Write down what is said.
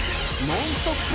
ノンストップ！